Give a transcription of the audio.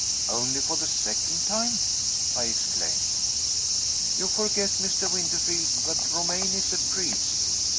"Only for the second time!" I exclaimed. "You forget, Mr. Winterfield, that Romayne is a priest.